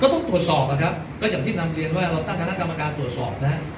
ต้องตรวจสอบนะครับก็อย่างที่นำเรียนว่าเราตั้งคณะกรรมการตรวจสอบนะ